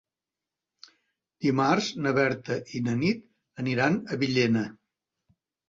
Dimarts na Berta i na Nit aniran a Villena.